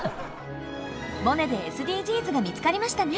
「モネ」でＳＤＧｓが見つかりましたね！